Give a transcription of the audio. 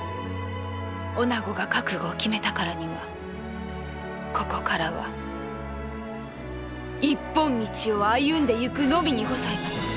女子が覚悟を決めたからにはここからは一本道を歩んでゆくのみにございます。